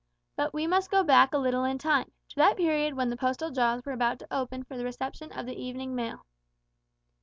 But we must go back a little in time to that period when the postal jaws were about to open for the reception of the evening mail.